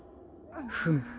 フム。